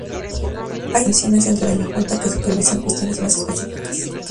Hay cinco comisiones dentro de la junta que supervisan cuestiones más específicas.